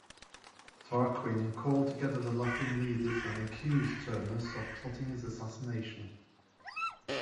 Tarquin called together the Latin leaders, and accused Turnus of plotting his assassination.